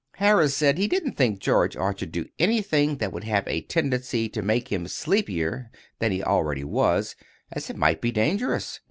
Harris said he didn't think George ought to do anything that would have a tendency to make him sleepier than he always was, as it might be dangerous.